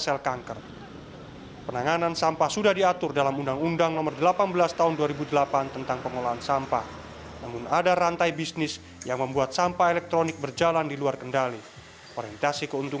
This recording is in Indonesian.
sampah ini masuk kategori b tiga atau bahan berbahaya dan beracun